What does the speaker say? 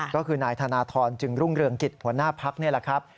ก็คือนายธนทรจึงรุ่งเรืองกิจหัวหน้าพักนี่แหละครับ